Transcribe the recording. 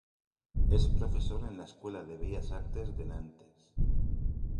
Es profesor en la escuela de Bellas Artes de Nantes.